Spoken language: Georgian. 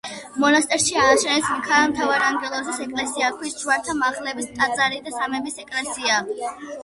მონასტერში ააშენეს მიქაელ მთავარანგელოზის ეკლესია, ქვის ჯვართამაღლების ტაძარი და სამების ეკლესია.